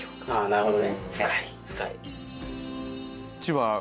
なるほど。